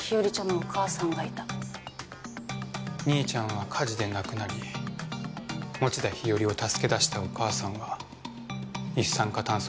兄ちゃんは火事で亡くなり田日和を助け出したお母さんは一酸化炭素中毒で亡くなった。